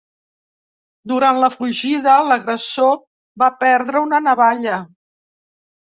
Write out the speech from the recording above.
Durant la fugida, l’agressor va perdre una navalla.